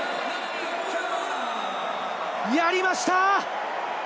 やりました！